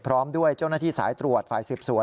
พร้อมด้วยเจ้าหน้าที่สายตรวจฝ่ายสืบสวน